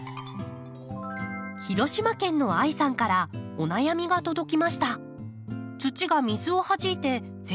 広島県のあいさんからお悩みが届きました。